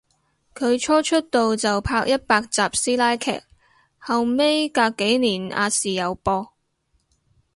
佢初出道就拍一百集師奶劇，後尾隔幾年亞視有播